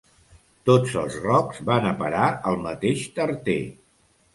Tots els rocs van a parar al mateix tarter.